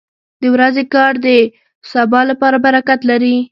• د ورځې کار د سبا لپاره برکت لري.